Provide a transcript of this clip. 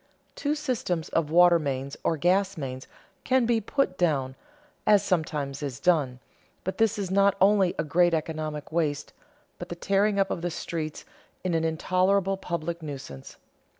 Two systems of water mains or gas mains can be put down, as sometimes is done, but this is not only a great economic waste, but the tearing up of the streets is an intolerable public nuisance.